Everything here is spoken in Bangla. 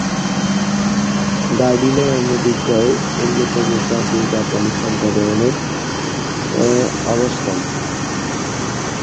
গার্ডিনা আমেরিকার অন্যতম প্রাচীন জাপানী সম্প্রদায়ের আবাসস্থল।